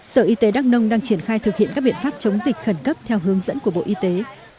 sở y tế đắk nông đang triển khai thực hiện các biện pháp chống dịch khẩn cấp theo hướng dẫn của bộ y tế